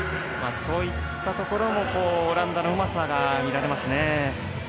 そういったところをオランダのうまさが見られます。